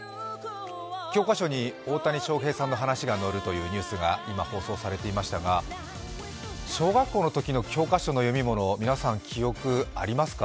教科書に大谷翔平さんの話が載るというニュースが今放送されていましたが小学校のときの教科書の読み物、皆さん、記憶にありますか。